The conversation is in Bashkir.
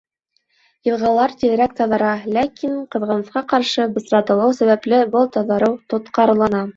Йылғалар тиҙерәк таҙара, ләкин, ҡыҙғанысҡа ҡаршы, бысратылыу сәбәпле, был таҙарыу тотҡарлана.